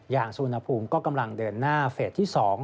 อย่างสุณผลก็กำลังเดินหน้าเฟสที่๒